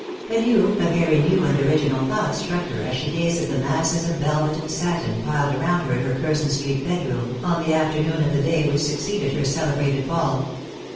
A new, a very new and original thought struck her as she gazed at the masses of velvet and satin piled around her in her Curzon street bed room, on the afternoon of the day which succeeded her celebrated ball.